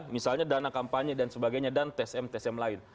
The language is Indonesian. misalnya dana kampanye dan sebagainya dan tsm tsm lain